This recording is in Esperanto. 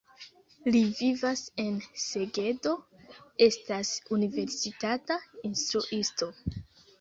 Li vivas en Segedo, estas universitata instruisto.